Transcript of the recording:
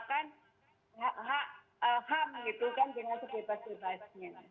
dan menggunakan hak hak gitu kan dengan sebebas bebasnya